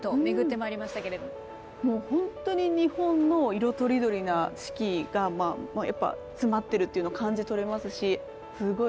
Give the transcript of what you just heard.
本当に日本の色とりどりな四季が詰まってるっていうのを感じ取れますしすごい